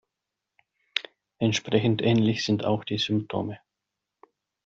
Entsprechend ähnlich sind auch die Symptome.